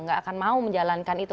nggak akan mau menjalankan itu